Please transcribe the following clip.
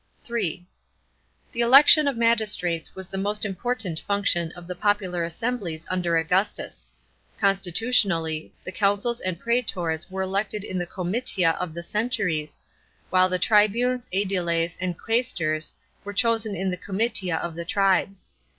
(3) The election of magistrates was the most important function of the popular assemblies under Augustus. Constitutionally, the consuls and praetors were elected in the comitia of the centuries, while the tribunes, sediles and quaastors were chosen in the comitia of the tribes.